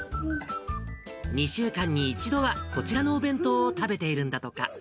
２週間に１度は、こちらのお弁当を食べているんだとか。